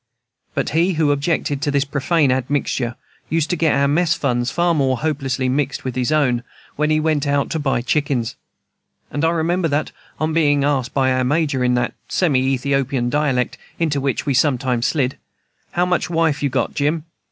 But he who objected to this profane admixture used to get our mess funds far more hopelessly mixed with his own, when he went out to buy chickens. And I remember that, on being asked by our Major, in that semi Ethiopian dialect into which we sometimes slid, "How much wife you got, Jim?"